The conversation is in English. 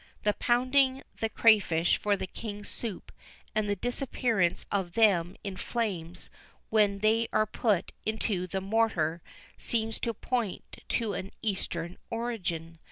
The pounding the crayfish for the King's soup, and the disappearance of them in flames when they are put into the mortar, seems to point to an Eastern origin.